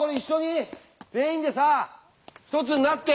全員でさ一つになって！